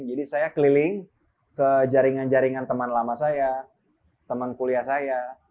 jadi saya keliling ke jaringan jaringan teman lama saya teman kuliah saya